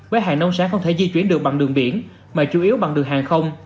với hàng nông sản không thể di chuyển được bằng đường biển mà chủ yếu bằng đường hàng không